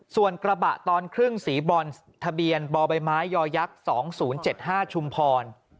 ส่วนกระบะตอนครึ่งสีบรอนทะเบียนบ่อใบไม้ยอยักษ์๒๐๗๕ชุมพร